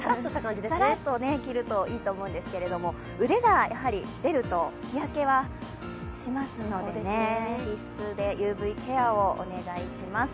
さらっと着るといいと思うんですが腕が出ると日焼けはしますのでね、必須でＵＶケアをお願いします。